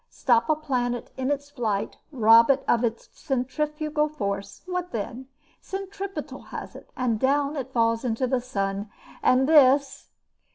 "Stop a planet in its flight, rob it of its centrifugal force, what then? Centripetal has it, and down it falls into the sun! And this